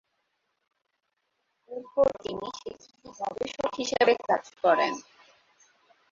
এরপর তিনি এখানে গবেষক হিসেবে কাজ করেন।